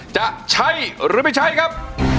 จะใช้หรือไม่ใช้ครับ